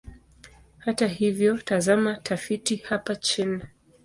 Hata hivyo, tazama tafiti hapa chini.